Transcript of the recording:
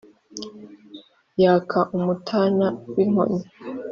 Yaka umutana w‘inkoni